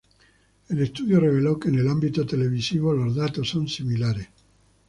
El estudio reveló que en el ámbito televisivo los datos son similares.